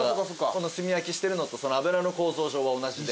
この炭焼きしてるのと脂の構造上は同じで。